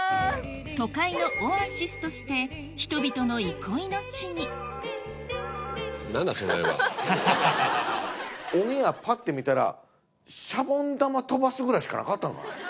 都会のオアシスとして人々の憩いの地にオンエアぱって見たらシャボン玉飛ばすぐらいしかなかった。